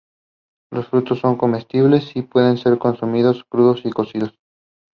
Koval campaigns for the protection of minorities from hate crimes.